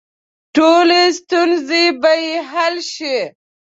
ټولې ستونزې به یې حل شي.